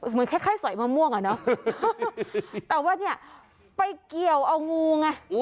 เหมือนคล้ายสอยมะม่วงอ่ะเนอะแต่ว่าเนี่ยไปเกี่ยวเอางูไง